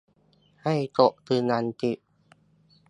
ให้กดยืนยันสิทธิ